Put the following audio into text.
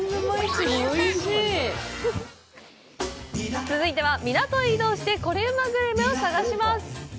続いては、港へ移動してコレうまグルメを探します！